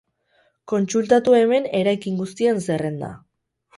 Kontsultatu hemen eraikin guztien zerrenda.